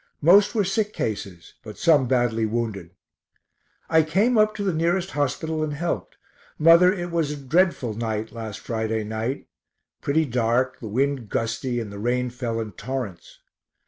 Most were sick cases, but some badly wounded. I came up to the nearest hospital and helped. Mother, it was a dreadful night (last Friday night) pretty dark, the wind gusty, and the rain fell in torrents.